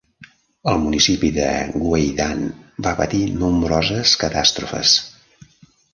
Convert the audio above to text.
El municipi de Gueydan va patir nombroses catàstrofes.